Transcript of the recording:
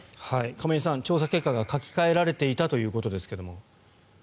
亀井さん、調査結果が書き換えられていたということですが。